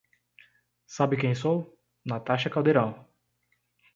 Sabe quem sou? Natasha Caldeirão